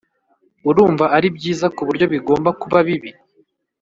urumva ari byiza kuburyo bigomba kuba bibi